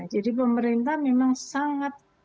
jadi pemerintah memang sangat